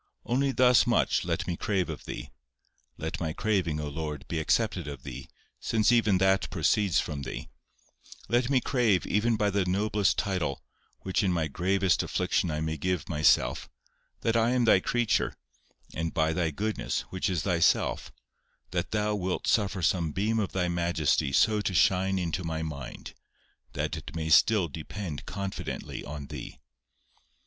Only thus much let me crave of Thee, (let my craving, O Lord, be accepted of Thee, since even that proceeds from Thee,) let me crave, even by the noblest title, which in my greatest affliction I may give myself, that I am Thy creature, and by Thy goodness (which is Thyself) that Thou wilt suffer some beam of Thy majesty so to shine into my mind, that it may still depend confidently on Thee."